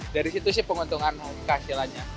dari situ sih penguntungan kehasilannya